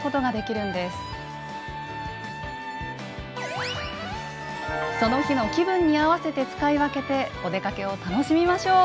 その日の気分に合わせて使い分けてお出かけを楽しみましょう！